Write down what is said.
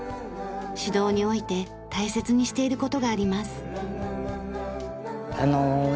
指導において大切にしている事があります。